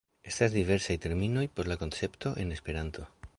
Estas diversaj terminoj por la koncepto en Esperanto.